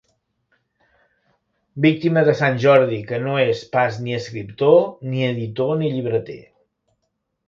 Víctima de sant Jordi que no és pas ni escriptor, ni editor, ni llibreter.